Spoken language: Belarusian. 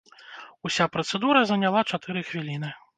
Уся працэдура заняла чатыры хвіліны.